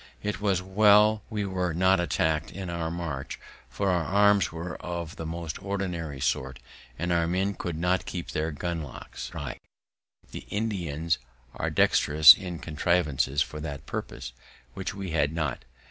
It was well we were not attack'd in our march, for our arms were of the most ordinary sort, and our men could not keep their gun locks dry. The Indians are dexterous in contrivances for that purpose, which we had not.